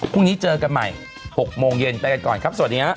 พรุ่งนี้เจอกันใหม่๖โมงเย็นไปกันก่อนครับสวัสดีครับ